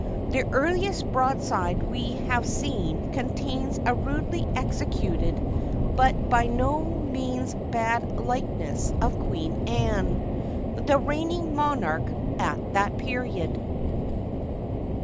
The earliest broadside we have seen contains a rudely executed, but by no means bad likeness of Queen Anne, the reigning monarch at that period.